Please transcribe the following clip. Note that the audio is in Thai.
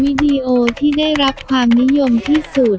วิดีโอที่ได้รับความนิยมที่สุด